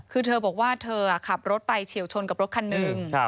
คือเธอบอกว่าเธอขับรถไปเฉียวชนกับรถคันหนึ่ง